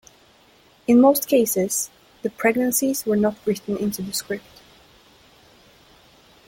In most cases, the pregnancies were not written into the script.